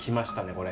これ！